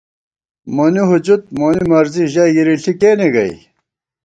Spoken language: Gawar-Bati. مونی ہُجُت مونی مرضی ژَئی گِرِݪی کېنےگئ